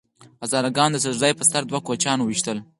هزاره ګانو د څړ ځای په سر دوه کوچیان وويشتل